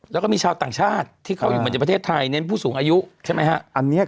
แล้วก็มีชาวต่างชาติที่เข้าอยู่เหมือนในประเทศไทยเน้นผู้สูงอายุใช่ไหมฮะ